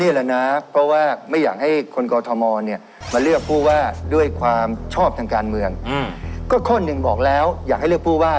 พี่เอกคิดยังไงก่อนการไม่เล่นเกมการเมืองของผู้ว่า